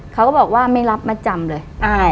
เขาก็บอกว่าไม่รับมาจำเลย